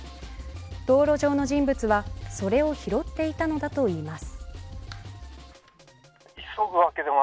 道路上の人物はそれを拾っていたのだといいます。